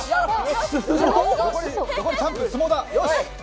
残り３分、相撲だ！